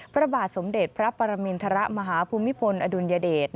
พระบาทสมเด็จพระปรมินทรมาฮภูมิพลอดุลยเดช